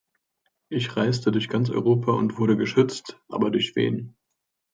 Ich reiste durch ganz Europa und wurde geschützt, aber durch wen?